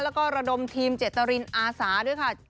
แล้วก็ระดมทีมเจตรินอาสาด้วยค่ะ